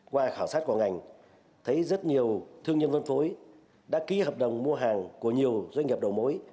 qua khảo sát của ngành thấy rất nhiều thương nhân phân phối đã ký hợp đồng mua hàng của nhiều doanh nghiệp đầu mối